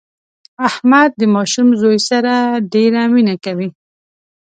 احمد د ماشوم زوی سره ډېره مینه کوي.